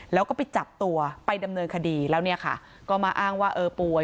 แล้วก็ไปจับตัวไปดำเนินคดีแล้วเนี่ยค่ะก็มาอ้างว่าเออป่วย